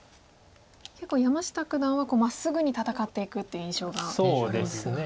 結構山下九段はまっすぐに戦っていくっていう印象があるんですが。